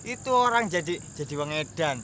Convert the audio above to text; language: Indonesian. itu orang jadi wangedan